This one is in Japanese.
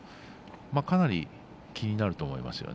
かなり気になると思います。